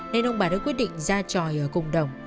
nên ông bà đã quyết định ra tròi ở cộng đồng